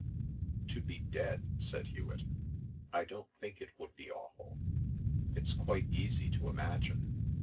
"To be dead?" said Hewet. "I don't think it would be awful. It's quite easy to imagine.